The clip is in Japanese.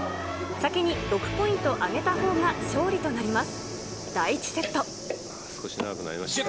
先に６ポイント挙げたほうが勝利となります。